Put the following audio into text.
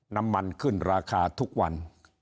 น้ำมันขึ้นราคาทุกวัน